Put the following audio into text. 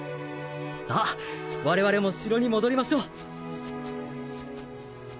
さあわれわれも城に戻りましょう。